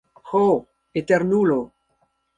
Ho Eternulo!